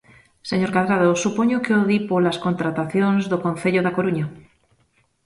Señor Cadrado, supoño que o di polas contratacións do Concello da Coruña.